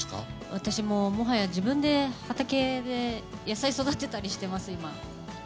私、もはや自分で畑で野菜育てたりしてます。